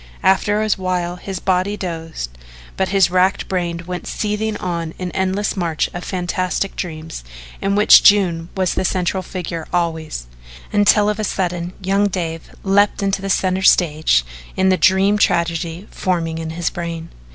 After a while his body dozed but his racked brain went seething on in an endless march of fantastic dreams in which June was the central figure always, until of a sudden young Dave leaped into the centre of the stage in the dream tragedy forming in his brain.